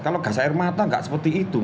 kalau gas air mata gak seperti itu mas